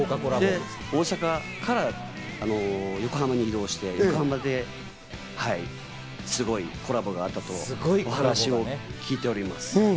大阪から横浜に移動して、すごいコラボがあったと話を聞いております。